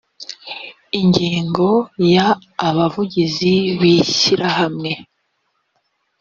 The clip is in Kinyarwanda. ingingo ya abavugizi b ishyirahamwe